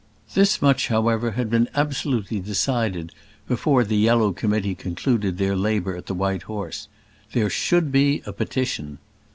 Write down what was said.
This much, however, had been absolutely decided before the yellow committee concluded their labour at the White Horse: there should be a petition.